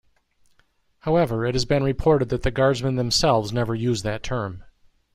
However, it has been reported that the guardsmen themselves never use that term.